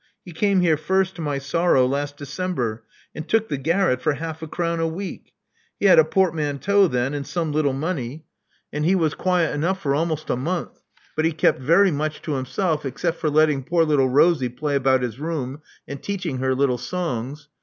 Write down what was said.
He came here first, to my sorrow, last December, and took the garret for half a crown a week. He had a port manteau then, and some little money; and he was Love Among the Artists 89 quiet enongh for almost a month. But he kept very much to himself except for letting poor little Rosie play about his room, and teaching her little songs.